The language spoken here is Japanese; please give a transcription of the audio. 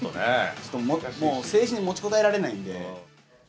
ちょっともう精神もちこたえられないんで。